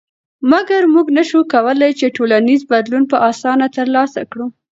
مګر موږ نشو کولی چې ټولنیز بدلون په اسانه تر لاسه کړو.